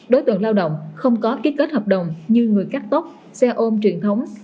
đối tượng lao động không có ký kết hợp đồng như người cắt tóc xe ôm truyền thống